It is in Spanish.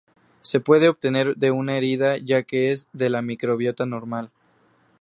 Se puede obtener de una herida ya que es de la microbiota normal.